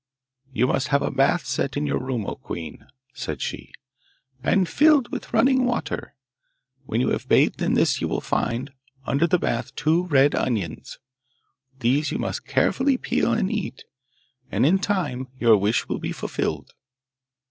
'You must have a bath set in your room, O queen,' said she, 'and filled with running water. When you have bathed in this you will find. under the bath two red onions. These you must carefully peel and eat, and in time your wish will be fulfilled.